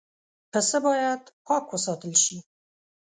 پسه باید پاک وساتل شي.